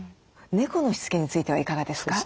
猫のしつけについてはいかがですか？